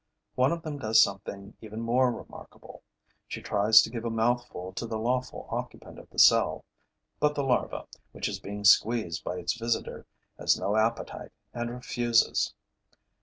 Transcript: One of them does something even more remarkable: she tries to give a mouthful to the lawful occupant of the cell; but the larva, which is being squeezed by its visitor, has no appetite and refuses.